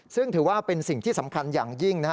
ซึ่งถือว่าเป็นสิ่งที่สำคัญอย่างยิ่งนะฮะ